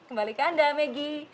kembali ke anda megi